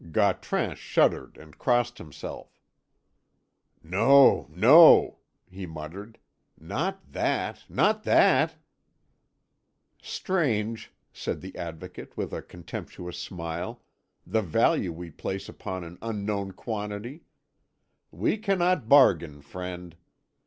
Gautran shuddered and crossed himself. "No, no," he muttered; "not that not that!" "Strange," said the Advocate with a contemptuous smile, "the value we place upon an unknown quantity! We cannot bargain, friend.